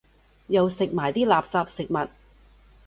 又食埋啲垃圾食物